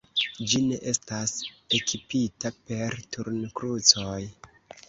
Ĝi ne estas ekipita per turnkrucoj.